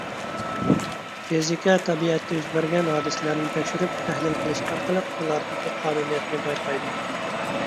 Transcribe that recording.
فىزىكا تەبىئەتتە يۈز بەرگەن ھادىسىلەرنى تەكشۈرۈپ تەھلىل قىلىش ئارقىلىق ئۇلاردىكى قانۇنىيەتنى بايقايدۇ.